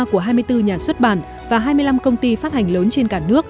của hai mươi bốn nhà xuất bản và hai mươi năm công ty phát hành lớn trên cả nước